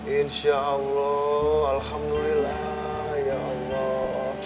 insyaallah alhamdulillah ya allah